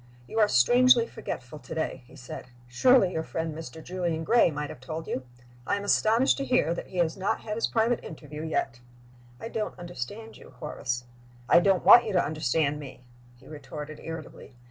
"You are strangely forgetful to day," he said. "Surely your friend Mr. Julian Gray might have told you? I am astonished to hear that he has not had his private interview yet." "I don't understand you, Horace." "I don't want you to understand me," he retorted, irritably.